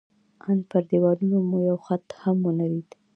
ان پر دېوالونو مو یو خط هم ونه لید.